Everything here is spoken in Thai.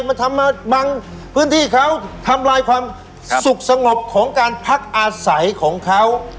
มาทำมาบางพื้นที่เขาทำลายความสุขสงบของการพักอาศัยของเขา